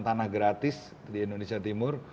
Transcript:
tanah gratis di indonesia timur